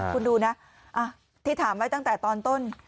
คุณดูนะที่ถามไว้ตั้งแต่ตอนต้น